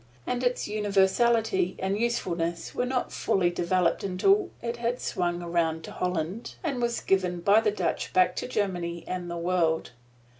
And its universality and usefulness were not fully developed until it had swung around to Holland and was given by the Dutch back to Germany and the world.